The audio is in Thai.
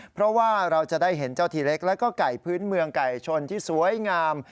เพราะว่าเราจะได้เห็นเจ้าทีเล็กแล้วก็ไก่พื้นเมืองไก่ชนที่สวยงาม